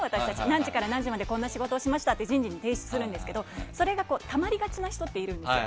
何時から何時までこんな仕事をしましたって人事に提出するんですけどそれがたまりがちな人っているんですよ。